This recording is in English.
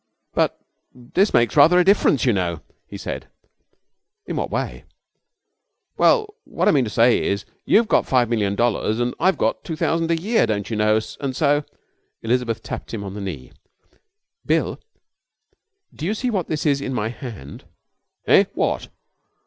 'But this makes rather a difference, you know,' he said. 'In what way?' 'Well, what I mean to say is, you've got five million dollars and I've got two thousand a year, don't you know, and so ' Elizabeth tapped him on the knee. 'Bill, do you see what this is in my hand?' 'Eh? What?'